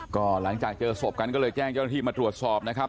ก็หลังจากเจอศพกันก็เลยแจ้งเจ้าหน้าที่มาตรวจสอบนะครับ